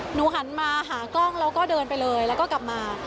หนูหันมาหากล้องแล้วก็เดินไปเลยแล้วก็กลับมา